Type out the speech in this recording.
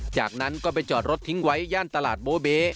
จากนั้นก็ไปจอดรถทิ้งไว้ย่านตลาดโบเบ๊